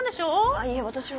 あいいえ私は。